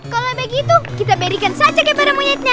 kalau begitu kita berikan saja kepada monyetnya